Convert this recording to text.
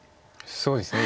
そうですね。